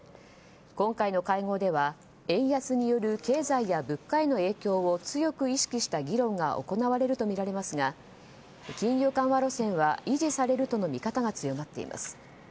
今回の会合では円安による経済や物価への影響を強く意識した議論が行われるとみられますが金融緩和路線は維持されるとの見方が強まっています。